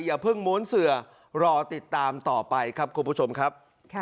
อย่าเพิ่งม้วนเสือรอติดตามต่อไปครับคุณผู้ชมครับ